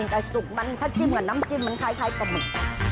แต่สุกมันถ้าจิ้มกับน้ำจิ้มมันคล้ายปลาหมึก